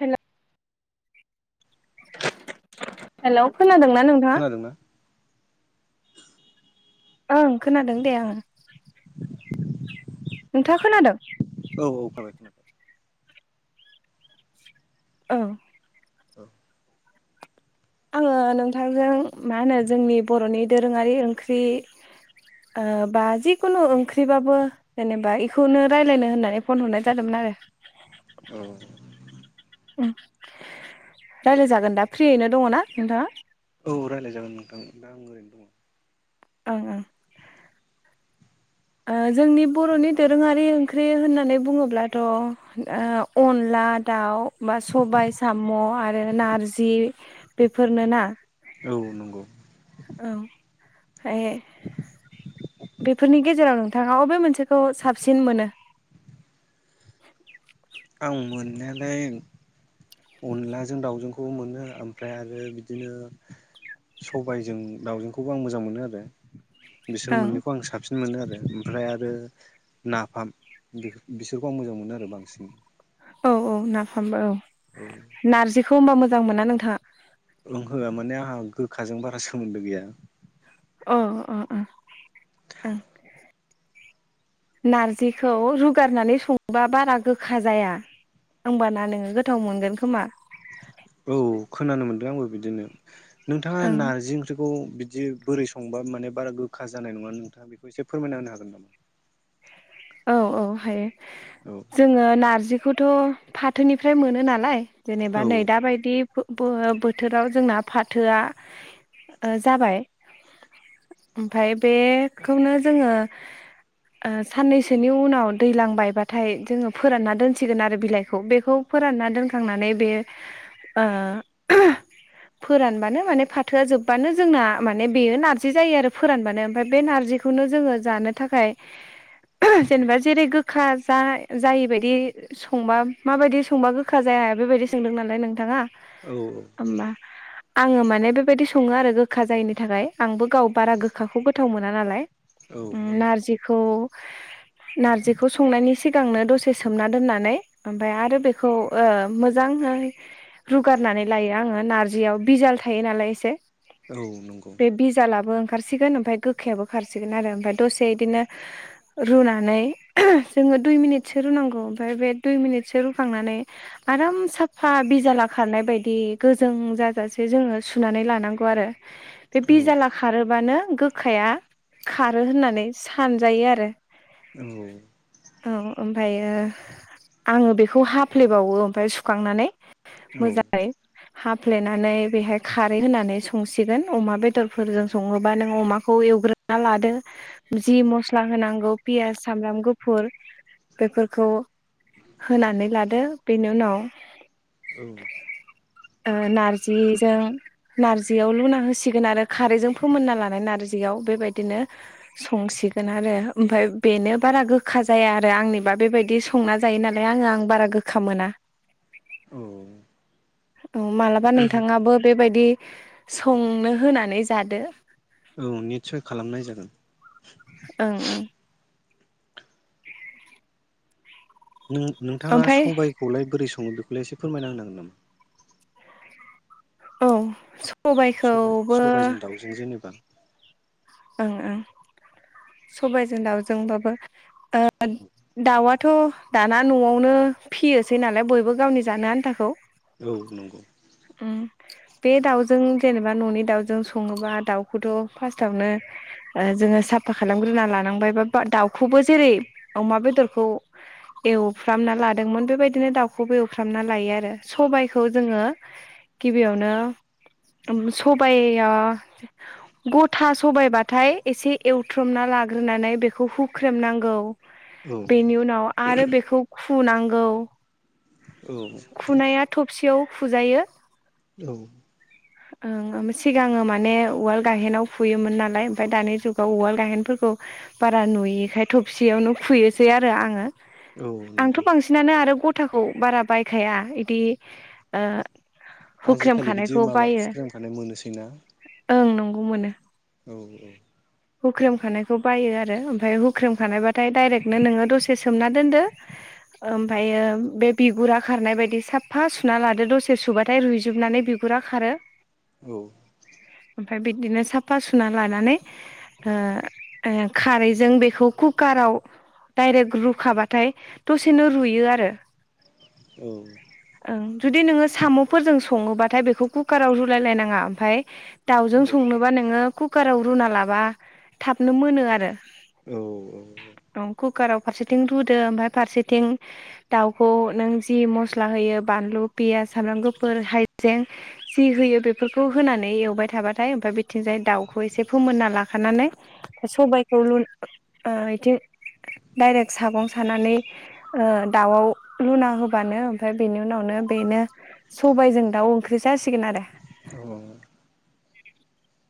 हेल' hello खोनादोंना नोंथाङा? खोनादोंना ओं खोनादों दे ओं। नोंथाङा खोनादों? औ औ खोनाबाय खोनाबाय। औ। आङो नोंथांजों मा होनो जोंनि बर'नि दोरोङारि ओंख्रि ओ बा जिखुनु ओंख्रिबाबो जेनेबा एखौनो रायलायनो होननानै फन हरनाय जादोंमोन आरो। औ उम रायलाय जागोन दा फ्रियैनो दङ ना नोंथाङा? औ रायलाय जागोन नोंथां दा आं ओरैनो दङ। ओं ओं। ओ जोंनि बर'नि दोरोङारि ओंख्रि होननानै बुङोब्लाथ' ओ अनला दाउ बा सबाय साम' आरो नारजि बेफोरनो ना। औ नंगौ। औ फ्राय बेफोरनि गेजेराव नोंथाङा अबे मोनसेखौ साबसिन मोनो आं मोननायालाय अनलाजों दावजोंखौ मोनो ओमफ्राय आरो बिदिनो सबायजों दावजोंखौबो आं मोजां मोनो आरो बिसोर ओं मोननैखौ आं साबसिन मोनो आरो ओमफ्राय आरो नाफाम बिसोरखौ आं मोजां मोनो आरो बांसिन औ औ नाफामबो औ नारजिखौ होम्बा मो जां मोना नोंथाङा ओंहो माने आंहा गोखाजों बारा सोमोन्दो गैया ओ ओ ओ ओं नारजिखौ रुगारनानै संबा बारा गोखा जाया होमबाना नोङो गोथाव मोनगोन खोमा औ खोनानो मोनदों आंबो बिदिनो नोंथाङा ओं नारजि ओंख्रि बेखौ बिदि बोरै संबा माने बारा गोखा जानाय नङा नोंथाङा बेखौ एसे फोरमायना होनो हागोन नामा औ औ हायो औ जोङो नारजि खौथ' फाथोनिफ्राय मोनो नालाय औ जेनेबा नै दा बायदि बो बोथोराव जोंना फाथोआ जाबाय ओमफ्राय बेखौनो जोङो ओ साननैसोनि उनाव दैज्लां बायबाथाय जोङो फोरानना दोनसिगोन आरो बिलाइखौ बेखौ फोरानना दोनखांनानै बे ओ ओम फोरानबानो माने फाथोआ जोब्बानो जोंना माने बेयो नारजि जायो आरो फोरानबानो ओमफ्राय बे नार्जिखौनो जोङो जानो थाखाय ओम जेनेबा जेरै गोखा जा जायिबायायदि संबा माबायदि संबा गोखा जाया बेबायदि सोंदों नालाय नोंथाङा औ औ होमबा आङो माने बेबायदि सङो आरो गोखा जायैनि थाखाय आंबो गाव बारा गोखाखौ गोथाव मोना मोना नालाय औ ओम नारजिखौ नार्जिखौ संनायनि सिगांनो दसे सोमना दोननानै ओमफाय आरो बेखौ ओ मोजांङै रुगारनानै लायो आङो नार्जियाव बिजाल थायो नालाय एसे औ नंगौ बे बिजालाबो खारसिगोन ओमफ्राय गोखायाबो खारसिगोन आरो ओमफफ्राय दसे बिदिनो रुनानै ओम जोङो दुइ मिनिटसो रुनांगौ ओमफ्राय बे दुइ मिनिटसो रुखांनानै आराम साफा बिजाला खारनाय बायदि गोजों जाजासे जोङो सुनानै लानांगौ आरो बे औ बिजाला खारोबानो गोखाया खारो होननानै सानजायो आरो औ औ ओमफ्रायायो आङो बेखौ हाफ्लेबावो ओमफ्राय सुखांनानै औ मोजाङै हाफ्लेनानै बेहाय खारै होनानै संसिगोन अमा बेदरफोरजों सङोबा नों अमाखौ एवग्रोना लादो जि मस्ला होनांगौ पियास सामब्राम गुफुर बेफोरखौ होनानै लादो बेनि उनाव औ ओ नारजिजों नारजियाव लुना होसिगोन आरो खारैजों फोमोनना लानाय नार्जियाव बेबायदिनो संसिगोन आरो ओमफ्राय बेनो बारा गोखा जाया आरो आंनिबा बेबायदि संना जायो नालाय आङो आं बारा गोखा मोना। औ मालाबा नोंथाङाबो बेबायदि संनो होनानै जादो औ निसय खालामनाय जागोन। ओं ओं नों नोंथाङा ओमफ्राय सबायखौलाय बोरै संयो? सङो बेखौलाय एसे फोरमायना होननांगोन नामा औ स सबायखौबो सबायजों दाउजों जेनेबा ओं ओं सबायजों दाउजोंबाबो [unintelligible] थ' दाना न'आवनो फियोसै नालाय बयबो गावनि जानो आन्थाखौ औ नंगौ उम बे दाउजों जेनेबा न'नि दाउजों सङोबा दाउखौथ' फार्स्टआवनो जोङो साफा खालामग्रोना लानांबाय बा दाउखौबो जेरै अमा बेदरखौ एवफ्रामना लादोंमोन बेबायदिनो दाउखौबो एवफ्रामना लायो आरो सबायखौ जोङो गिबियावनो सबाया गथा सबायाइबा हाथाय एसे एवथ्रमना लाग्रोनानै बेखौ हुख्रेमनांगौ औ बेनि उनाव आरो बेखौ खुनांगौ औ खुनाया थबसेयाव फुजायो औ ओं सिगाङो माने उवाल गायहेनाव फुयोमोन नालाय ओमफाय दानि जुगाव उवाल गाहेनफोरखौ बारा नुयिखाय थबसेयावनो खुयोसै आरो आङो। औ नंगौ आंथ' बांसिनानो आरो गथ थाखौ बारा बायखाया इदि ओ आजिखालि बिदि हुख्रेमखानायखौ माबा बायो फुख्रेमखानाय मोनोसै ना? गु मोनो। हुख्रेम खानायखौ बायो आर रो ओमफ्राय हुख्रेम खानायबाथाय डायरेक्टनो नोङो दसे सोमना दोनदो ओ ओमफायो बे बिगुरा खारनाय बायदि साफा सुना लादो दसे सुबाथाय रुइजोबनानै बिगुरा खारो। औ ओमफाय बिदिनो साफा सुनानै लानानै ओ ओ खारैजों बेखौ कुकाराव डाइरेक्ट रुखाबाथाय दसेनो रुयो आरो औ ओं जुदि नोङो साम'फोरजों सङोबाथाय बेखौ कुकाराव रुलाय लायनाङा ओमफाय दावजों संनोबा नोङो कुकाराव रुना लाबा थाबनो मोनो आरो औ ओं कुक कुकाराव फारसेथिं रुदो ओमफाय फारसेथिं दाउखौ नों जि मस्ला होयो बानलु, पियास, सामब्राम गुफुर, हायजें जि होयो बेफोरखौ होनानै एवबाय थाबाथाय ओमफाय बिथिंजाय दाउ खौ एसे फोमोनना लाखानानै सबायखौ लु ओ इथिं डाइरेक्ट सागं सानानै ओ दाउआव लुना होबानो ओमफ्राय बेनि उनावनो बेनो सबायजों दाउ ओंख्रि जासिगोन आरो। औ। ओ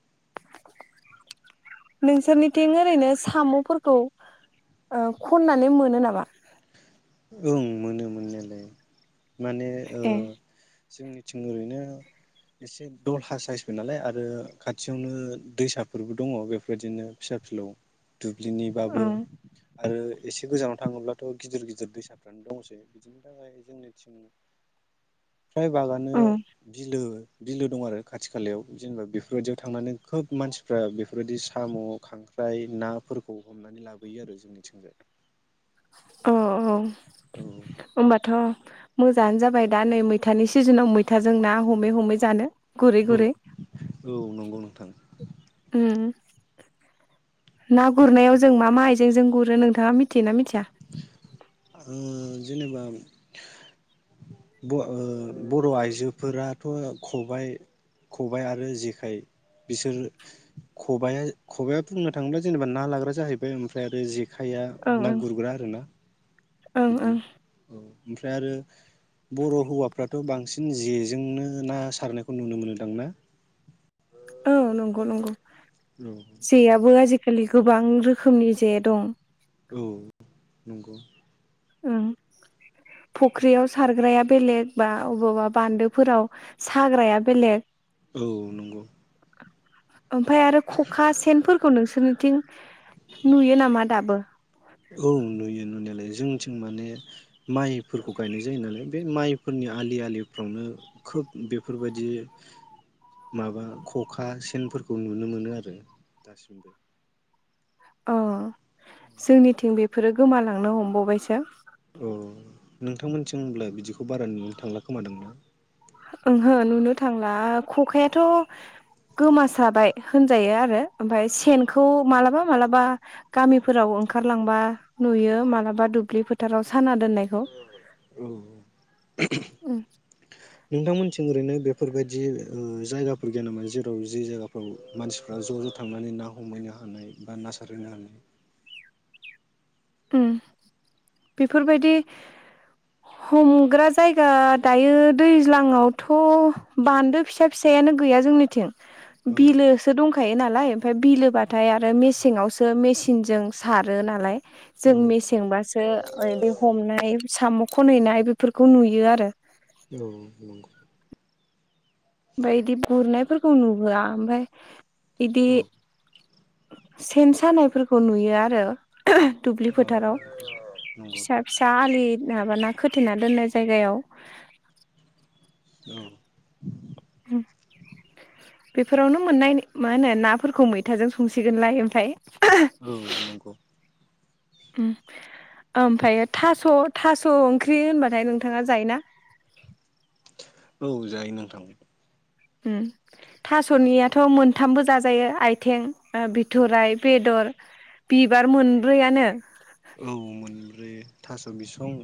नोंसोरनिथिं ओरैनो साम'फोरखौ ओ खननानै मोनो नामा? ओं मोनो मोननायलाय। माने ओ ए जोंनिथिं ओरैनो एसे दलहा साइसबो नालाय आरो खाथियावनो दैसाफोरबो दङ बेफोरबादिनो फिसा फिलौ औ दुब्लिनिबाबो आरो एसे गोजानाव थाङोब्लाथ' गिदिर गिदिर दैसाफ्रानो दंसै बिदिनि थाखाय जोंनिथिं फ्राय बागानो औ बिलो बिलो दङो आरो खाथि खालायाव जेनोबा बेफोरबायदियाव थांनानै खोब मानसिफ्रा बेफोरबायदि साम', खांख्राइ, नाफोरखौ हमनानै लाबोयो आरो जोंनिथिंजाय। अ। औ ओनबाथ' मोजाङानो जाबाय दा नै मैथानि सिजोनाव मैथाजों ना हमै हमै जानो गुरै औ गुरै औ नोंगौ नोंथां। उम ना गुरनायाव जों मा मा आइजेंजों गुरो नोंथाङा मिथियोना मिथिया? ओ जेनोबा ब' ओ बर' आइजोफोराथ' खबाइ खबाय आरो जेखाइ बिसोर खबायआ खबाइआ बुंनो थाङोब्ला जेनेबा ना लाग्रा जाहैबाय ओमफ्राय आरो जे खाया ओं ना ओं गुरग्रा [unintelligible] ओं बिदि ओं औ। ओमफ्राय आरो बर' हौवाफ्राथ' बांसिन जेजोंनो ना सारनायखौ नुनो मोनोदांना? औ नंगौ नंगौ। जेयाबो आजि खालि गोबां रोखोमनि जे दं। औ नंगौ। उम फुख्रियाव सारग्राया बेलेग बा अबावबा बान्दोफोराव साग्राया बेलेग। औ नंगौ। ओमफ्राय आरो खखा सेनफोरखौ नोंसोरनिथिं नुयो नामा दाबो? औ नुयो नुनायालाय जोंनिथिं माने माइफोरखौ गायनाय जायो नालाय। बे माइफोरनि आलि आलिफ्रावनो खोब बेफोरबायदि माबा खखा सेनफोरखौ नुनो मोनो आरो दासिमबो। औ जोंनिथिं बेफोरो गोमालांनो हमबावबायसो। अ' नोंथांमोनिथिं होनब्ला बिदिखौ बारा नुनो थांला खोमादां ना? ओंहो नुनो थांला खखायाथ' गोमासाबाय होनजायो आरो ओमफ्राय सेनखौ मालाबा मालाबा गामिफोराव ओंखारलांबा नुयो मालाबा दुब्लि फोथाराव साना दोननायखौ। औ उम। नोंथांमोनिथिं ओरैनो बेफोरबायदि ओ जायगाफोर गैया नामोन जेराव जे जायगाफ्राव मानसिफ्रा ज' ज' थांनानै ना हमहैनो हानाय बा ना सारहैनो हानाय? उम बेफोरबायदि हमग्रा जायगा दायो दैज्लाङावथ' बान्दो फिसा फिसायानो गैया जोंनिथिं। औ बिलोसो दं होखायो नालाय ओमफ्राय बिलोबाथाय आरो मेसेङावसो मेचिनजों सारो नालाय। जों औ मेसेंबासो [unintelligible] साम' खनहैनाय बेफोरखौ नुयो आरो। औ नंगौ। ओमफ्राय बिदि [unintelligible] बिदि औ सेन सानायफोरखौ नुयो आरो। दुब्लि फोथाराव नंगौ फिसा फिसा आलि माबाना खोथेना दोननाय जायगायाव औ। बेफोरावनो मोननाय मा होनो नाफोरखौ मैथाजों संसिगोनलाय ओमफ्राय। औ नंगौ। उम ओमफ्रायो थास' थास' ओंख्रि होनबाथाय नोंथाङा जायो ना? औ जायो नोंथां। उ थास'नियाथ' मोनथामबो जाजायो आइथिं बिथ'राइ बेदर बिबार मोनब्रैआनो। औ मोनब्रै थास' बिसं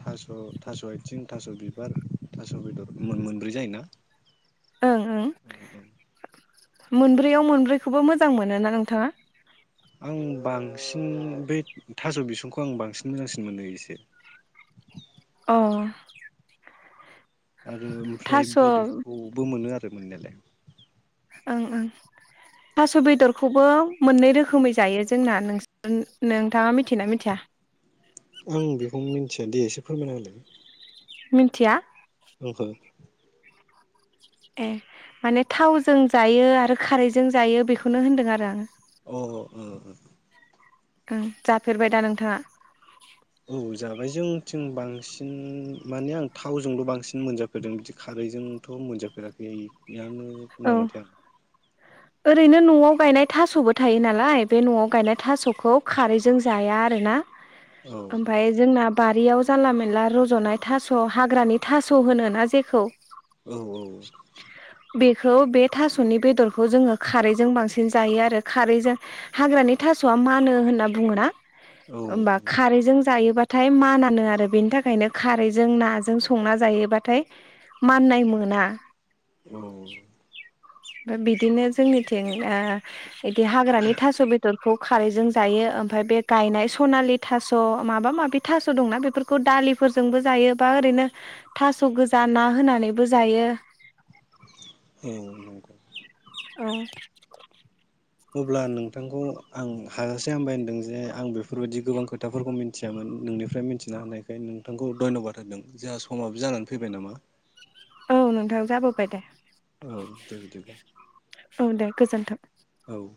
थास' थास' आथिं थास' बिबार थास' बेदर मोन मोनब्रै जायोना? ओं ओं औ औ मोनब्रैयाव मोनब्रैखौबो मोजां मोनो ना नोंथाङा? उम आं बांसिन बे थास' बिसंखौ आं बांसिन मोजांसिन मोनो इसे। अ। आरो ओमफ्राय थास' ओं बेदरखौबो मोनो आरो। [unintelligible] मोननायालाय ओं ओं थास' बेदरखौबो मोननै रोखोमै जायो जोंना नों [unintelligible] नोंथाङा मिथियोना मिथिया? आं बेखौ मिन्थिया दे एसे फोरमायना होलाय। मिन्थिया। ओंहो। ए माने थावजों जायो आरो खारैजों जायो बेखौनो होनदों आरो आं। अ उम उम। ओं जाफेरबाय दा नोंथांङा? औ जाबाय जोंनिथिं बांसिन माने आं थावजोंल' बांसिन मोनजाफेरदों बिदि खारैजोंथ' मोनजाफेराखै। बेयावनो औ नामाथाय। ओरैनो न'आव गायनाय थास'बो थायो नालाय बे न'आव गायनाय थास'खौ खारैजों जाया आरोना। ओमफाय जोंना बारियाव जानला मेनला रज'नाय थास' हाग्रानि थास' होनो ना जेखौ। औ औ। बेखौ बे थास'नि बेदरखौ जोंङो खारैजों बांसिन जायो आरो खारैजों हाग्रानि थास'आ मानो होनना बुंङोना। औ ओमबा नंगौ खारैजों जायोबा थाय मानानो आरो बेनि थाखायनो खारैजों नाजों संना जायोबाथाय माननाय मोना। उम। बिदिनो जोंनिथिं ओ इदि हाग्रानि थास' बेदर बेखौ खारैजों जायो ओमफाय बे गायनाय सनालि थास' माबा माबि थास' दंना बेफोरखौ दालिफोरजोंबो जायो बा ओरैनो थास' गोजा ना होनानैबो जायो। औ नंगौ औ अब्ला नोंथांखौ आं हाजासे हामबाय होनदों जे आं बेफोरबायदि गोबां खोथाफोरखौ मिथियामोन नोंनिफ्राय मिथिना हानायखाय नोंथांखौ धन्यबाद होदों जोंहा समाबो जानानै फैबाय नामा औ नोंथां जाबोबाय दे। औ दे बिदिब्ला औ दे गोजोन्थों। औ